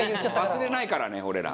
忘れないからね俺ら。